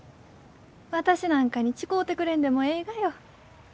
私なんかに誓うてくれんでもえいがよ。